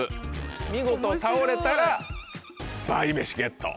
見事倒れたらバイ飯ゲット。